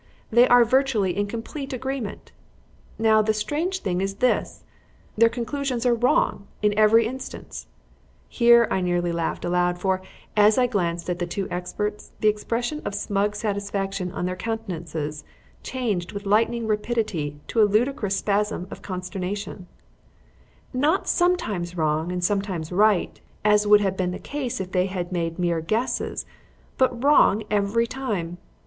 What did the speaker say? They are virtually in complete agreement. Now, the strange thing is this: their conclusions are wrong in every instance" (here I nearly laughed aloud, for, as I glanced at the two experts, the expression of smug satisfaction on their countenances changed with lightning rapidity to a ludicrous spasm of consternation); "not sometimes wrong and sometimes right, as would have been the case if they had made mere guesses, but wrong every time.